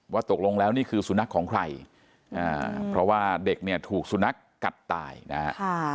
ตกลงแล้วนี่คือสุนัขของใครเพราะว่าเด็กเนี่ยถูกสุนัขกัดตายนะฮะ